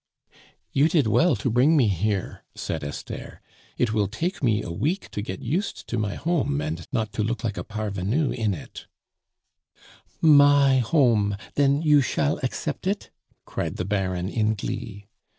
"You did well to bring me here," said Esther. "It will take me a week to get used to my home and not to look like a parvenu in it " "My home! Den you shall accept it?" cried the Baron in glee.